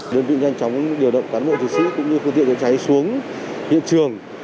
đơn vị nhanh chóng điều động cán bộ thực sự cũng như phương tiện cháy xuống hiện trường